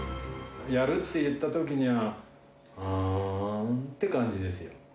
やるって言ったときには、はーんって感じですよ。